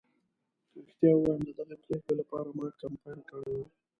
که رښتیا ووایم ددغې پرېکړې لپاره ما کمپاین کړی و.